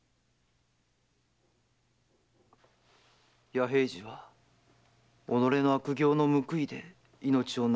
弥平次は己の悪行の報いで命をなくしたのです。